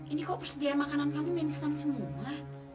ini kok persediaan makanan kamu minstan semua